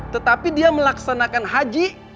tetapi dia melaksanakan haji